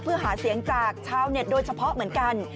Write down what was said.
เพื่อหาเสียงจากชาวเน็ตโดยเฉพาะเหมือนกัน